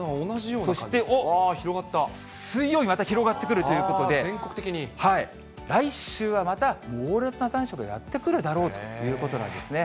そして水曜日、また広がってくるということで、来週はまた猛烈な残暑がやって来るだろうということなんですね。